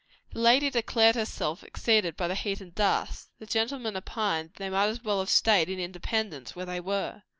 The lady declared herself exceeded by the heat and dust; the gentleman opined they might as well have stayed in Independence, where they were.